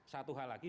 satu hal lagi